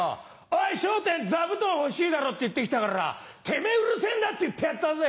「おい笑点座布団欲しいだろ？」って言って来たから「てめぇうるせぇんだ！」って言ってやったぜ。